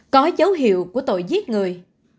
có dấu hiệu của tội giết người